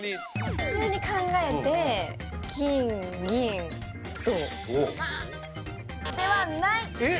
普通に考えてあではないえっ